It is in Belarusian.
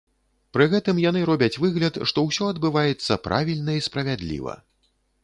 Пры гэтым яны робяць выгляд, што ўсё адбываецца правільна і справядліва.